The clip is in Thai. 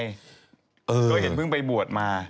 ก็เห็นเพิ่งไปบวชมา